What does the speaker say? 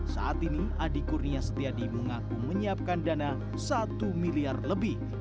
saat ini adi kurnia setiadi mengaku menyiapkan dana satu miliar lebih